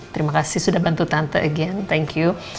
terima kasih sudah bantu tante again thank you